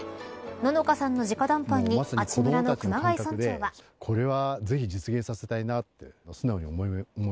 野乃花さんの直談判に阿智村の熊谷村長は。